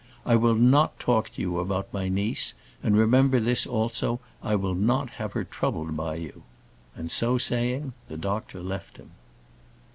I will not talk to you about my niece; and remember this, also, I will not have her troubled by you:" and, so saying, the doctor left him.